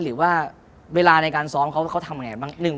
หรือว่าเวลาในการซ้อมเขาว่าเขาทำอย่างไรบ้าง